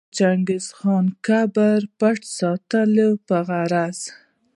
د چنګیز د قبر د پټ ساتلو په غرض